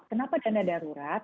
kenapa dana darurat